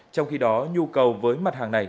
trong khi đó nhu cầu với mặt hàng này